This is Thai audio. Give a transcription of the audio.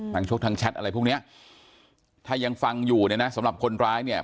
ชกทางแชทอะไรพวกเนี้ยถ้ายังฟังอยู่เนี่ยนะสำหรับคนร้ายเนี่ย